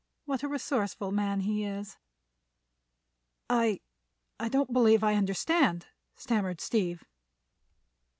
What a resourceful man he is." "I—I don't believe I understand," stammered Steve.